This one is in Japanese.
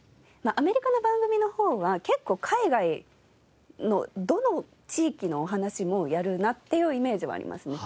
アメリカの番組の方は結構海外のどの地域のお話もやるなっていうイメージはありますね。